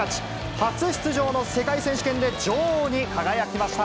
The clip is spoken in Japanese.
初出場の世界選手権で、女王に輝きました。